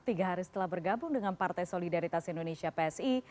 tiga hari setelah bergabung dengan partai solidaritas indonesia psi